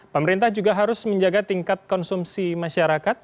pemerintah juga harus menjaga tingkat konsumsi masyarakat